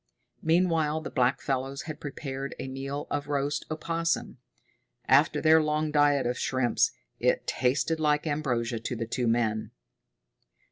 Meanwhile the blackfellows had prepared a meal of roast opossum. After their long diet of shrimps, it tasted like ambrosia to the two men.